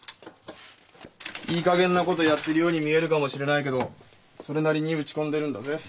いいかげんなことやってるように見えるかもしれないけどそれなりに打ち込んでるんだぜ。